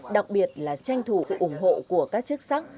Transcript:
đặc biệt là tranh thủ sự ủng hộ của các chức sắc